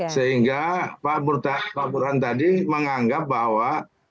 sehingga pak burhan tadi menganggap bahwa